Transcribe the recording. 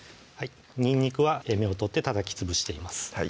にんにくは芽を取ってたたきつぶしています